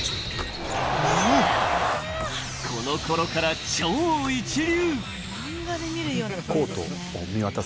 この頃から超一流。